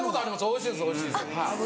おいしいですおいしいです。